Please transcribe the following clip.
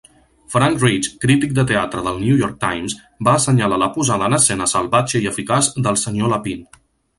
Frank Rich, crític de teatre del "New York Times", va assenyalar "la posada en escena salvatge i eficaç del Sr. Lapine".